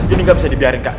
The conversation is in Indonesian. ini nggak bisa dibiarin kak